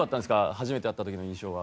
初めて会った時の印象は。